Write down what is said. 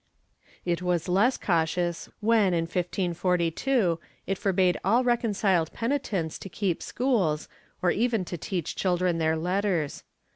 It was less cautious when, in 1542, it forbade all reconciled peni tents to keep schools, or even to teach children their letters.